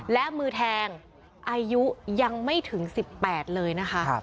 และมือแทงอายุยังไม่ถึง๑๘เลยนะคะ